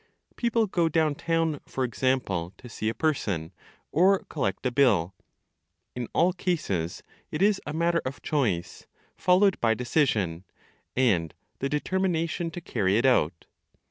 People go downtown, for example, to see a person, or collect a bill. In all cases it is a matter of choice, followed by decision, and the determination to carry it out.